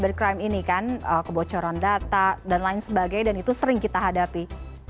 dari crime ini kan kebocoran data dan lain sebagainya dan itu sering kita hadapi